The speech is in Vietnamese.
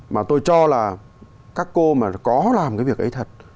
mà tôi cho là các cô mà có làm cái việc ấy thật